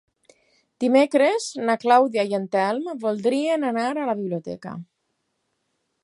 Dimecres na Clàudia i en Telm voldria anar a la biblioteca.